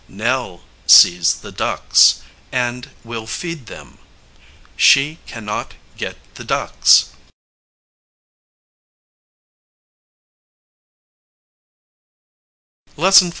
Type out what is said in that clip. Nell sees the ducks, and will feed them. She can not get the ducks LESSON XIV.